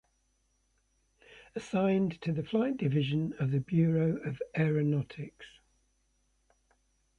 Assigned to the Flight Division of the Bureau of Aeronautics.